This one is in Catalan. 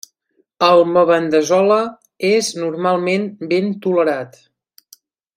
El mebendazole és normalment ben tolerat.